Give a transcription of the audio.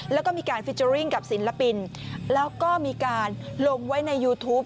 แล้วก็มีการฟิเจอร์ริ่งกับศิลปินแล้วก็มีการลงไว้ในยูทูป